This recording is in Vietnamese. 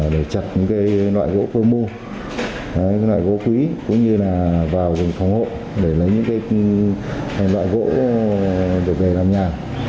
để chặt những loại gỗ pơ mu loại gỗ quý cũng như là vào rừng phòng hộ để lấy những loại gỗ được về làm nhà